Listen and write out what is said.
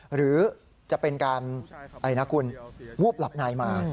หรือจะเป็นการอะไรนะคุณวูบหลับในมา